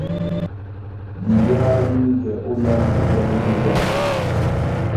Diwaha windɛ ó náh mʼpupɛ múhínjahe.